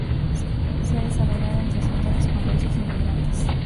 Se ha desarrollado entre escritores con raíces inmigrantes.